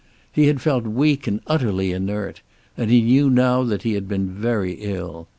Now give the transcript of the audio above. He had felt weak and utterly inert, and he knew now that he had been very ill.